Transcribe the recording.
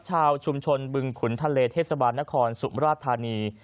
ชาวชุมชนบึงขุนทะเลเทศบาลนครสุมราชธานี